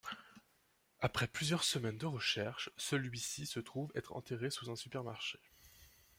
Après plusieurs semaines de recherche, celui-ci se trouve être enterré sous un supermarché.